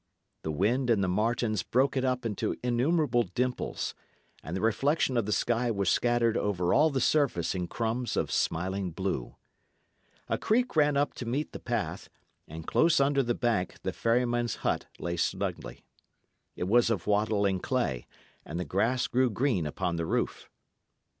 The wind and the martens broke it up into innumerable dimples; and the reflection of the sky was scattered over all the surface in crumbs of smiling blue. A creek ran up to meet the path, and close under the bank the ferryman's hut lay snugly. It was of wattle and clay, and the grass grew green upon the roof.